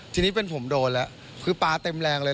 ทีนี้เป็นผมโดนแล้วคือปลาเต็มแรงเลย